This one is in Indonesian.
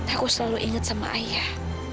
aku selalu inget sama ayah